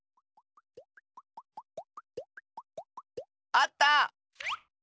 あった！